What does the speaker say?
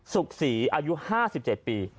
สุขศรีอายุ๕๗ปี